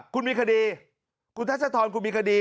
คุณมีคดีคุณทัชธรคุณมีคดี